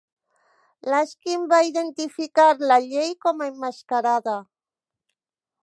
Laskin va identificar la llei com a emmascarada.